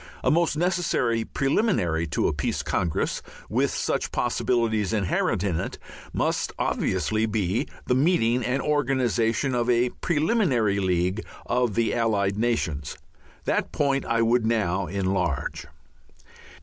A most necessary preliminary to a Peace Congress, with such possibilities inherent in it, must obviously be the meeting and organization of a preliminary League of the Allied Nations. That point I would now enlarge.